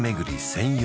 専用